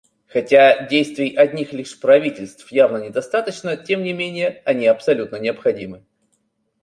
Хотя действий одних лишь правительств явно недостаточно, тем не менее они абсолютно необходимы.